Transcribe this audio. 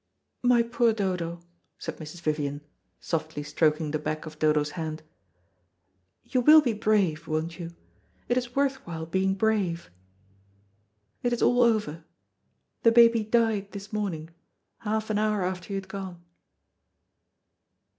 "My poor Dodo," said Mrs. Vivian, softly stroking the back of Dodo's hand. "You will be brave, won't you? It is worth while being brave. It is all over. The baby died this morning, half an hour after you had gone."